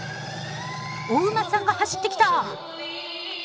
お馬さんが走ってきた！